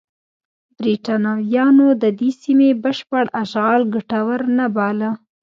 برېټانویانو د دې سیمې بشپړ اشغال ګټور نه باله.